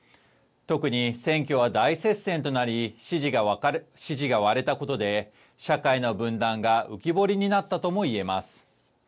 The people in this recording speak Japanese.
特に選挙は大接戦となり、支持が割れたことで、社会の分断が浮き彫りになったともいえます。